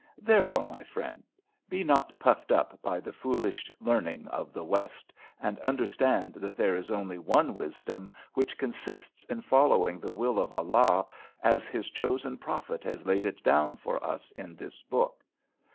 Therefore, my friend, be not puffed up by the foolish learning of the West, and understand that there is only one wisdom, which consists in following the will of Allah as His chosen prophet has laid it down for us in this book.